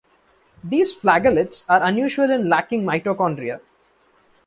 These flagellates are unusual in lacking mitochondria.